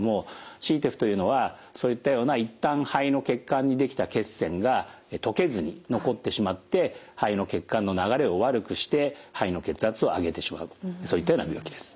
ＣＴＥＰＨというのはそういったような一旦肺の血管にできた血栓が溶けずに残ってしまって肺の血管の流れを悪くして肺の血圧を上げてしまうそういったような病気です。